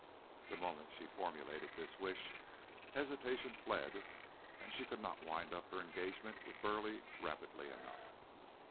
The moment she formulated this wish, hesitation fled and she could not wind up her engagement with Burleigh rapidly enough.